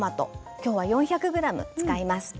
今日は４００ｇ使います。